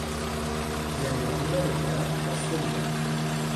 زندانی را به درخت بسته بودند.